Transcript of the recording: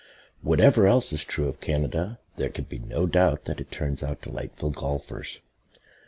Whatever else is true of Canada there can be no doubt that it turns out delightful golfers.